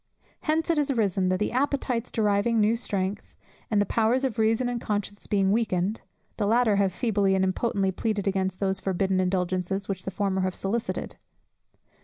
Hence it has arisen, that the appetites deriving new strength, and the powers of reason and conscience being weakened, the latter have feebly and impotently pleaded against those forbidden indulgences which the former have solicited.